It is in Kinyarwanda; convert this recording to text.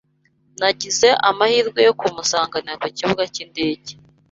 Nagize amahirwe yo kumusanganira ku kibuga cy'indege